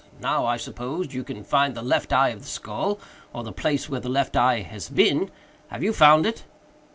Now, I suppose, you can find the left eye of the skull, or the place where the left eye has been. Have you found it?"